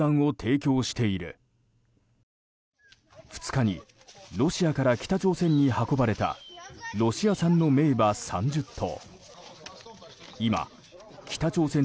２日にロシアから北朝鮮に運ばれたロシア産の名馬３０頭。